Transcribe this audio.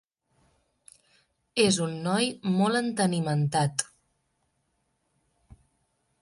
És un noi molt entenimentat.